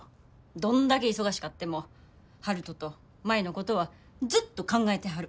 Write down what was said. どんだけ忙しかっても悠人と舞のことはずっと考えてはる。